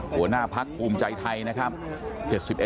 หัวหน้าพักภูมิใจไทยนะครับ